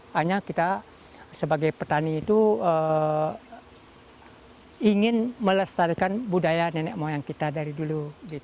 hanya kita sebagai petani itu ingin melestarikan budaya nenek moyang kita dari dulu